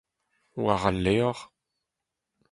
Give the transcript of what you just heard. war al levr